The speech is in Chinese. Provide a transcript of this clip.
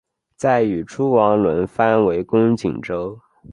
再与诸王轮番围攻锦州。